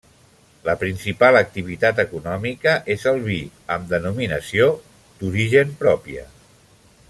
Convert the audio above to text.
La principal activitat econòmica és el vi, amb denominació d'origen pròpia.